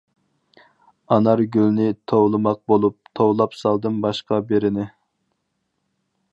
ئانارگۈلنى توۋلىماق بولۇپ، توۋلاپ سالدىم باشقا بىرىنى.